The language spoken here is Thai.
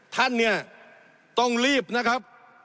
ท่านเนี่ยต้องรีบนะครับ